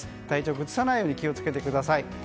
体調を崩さないようにお気を付けください。